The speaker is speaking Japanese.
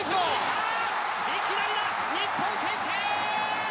いきなりだ、日本先制。